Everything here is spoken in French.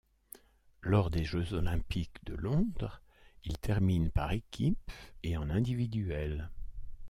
Lors des Jeux olympiques de Londres, il termine par équipes et en individuel.